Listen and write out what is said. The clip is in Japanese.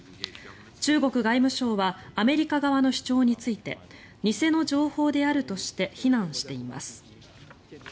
中国外務省はアメリカ側の主張について偽の情報であるとして非難しています。